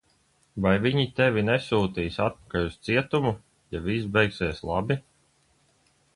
Vai viņi tevi nesūtīs atpakaļ uz cietumu, ja viss beigsies labi?